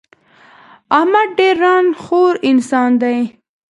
احمد ډېر ًران خور انسان دی.